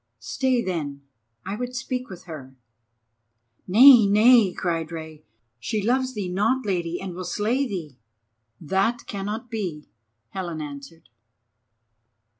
"Stay then, I would speak with her." "Nay, nay," cried Rei. "She loves thee not, Lady, and will slay thee." "That cannot be," Helen answered.